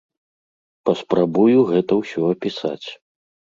Паспрабую гэта ўсё апісаць.